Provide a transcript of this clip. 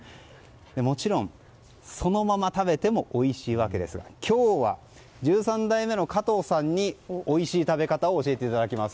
もちろんそのまま食べてもおいしいわけですが今日は、１３代目の加藤さんにおいしい食べ方を教えていただきます。